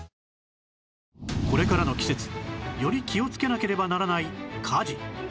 これからの季節より気をつけなければならない火事